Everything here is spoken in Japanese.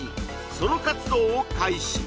ソロ活動を開始